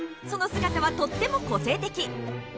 その姿はとっても個性的。